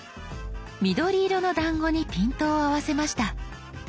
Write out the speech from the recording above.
緑色のだんごにピントを合わせました。